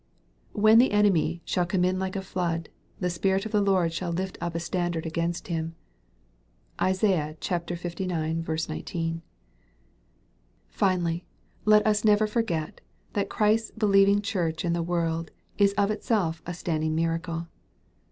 MARK, CHAP. XVI. 367 " When the enemy shall come in like a flood, the Spirit of the Lord shall lift up a standard against him." (Isai lix. 19.) Finally, let us never forget, that Christ's believing Church in the world is of itself a standing miracle.